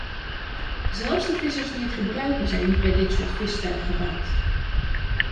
Zelfs de vissers die het gebruiken zijn niet bij dit soort vistuig gebaat.